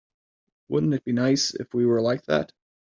Wouldn't it be nice if we were like that?